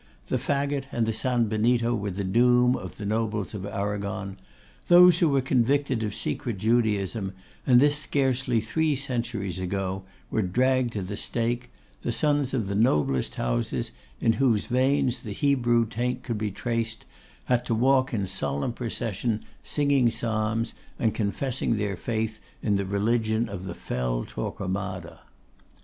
The fagot and the San Benito were the doom of the nobles of Arragon. Those who were convicted of secret Judaism, and this scarcely three centuries ago, were dragged to the stake; the sons of the noblest houses, in whose veins the Hebrew taint could be traced, had to walk in solemn procession, singing psalms, and confessing their faith in the religion of the fell Torquemada.